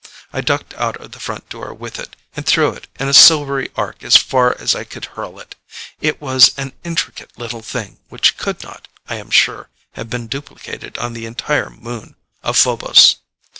I ducked out of the front door with it and threw it in a silvery arc as far as I could hurl it. It was an intricate little thing which could not, I am sure, have been duplicated on the entire moon of Phobos.